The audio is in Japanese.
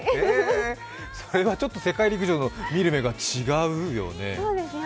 それは世界陸上の見る目が違うよね。